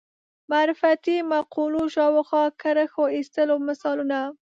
معرفتي مقولو شاوخوا کرښو ایستلو مثالونه